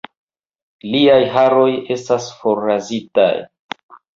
Liaj haroj estas forrazitaj.